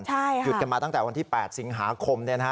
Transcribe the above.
ใช่ค่ะหยุดกันมาตั้งแต่วันที่แปดสิงหาคมเนี่ยนะครับ